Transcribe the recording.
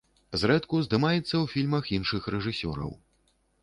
Зрэдку здымаецца ў фільмах іншых рэжысёраў.